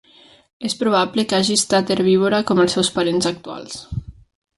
És probable que hagi estat herbívora com els seus parents actuals.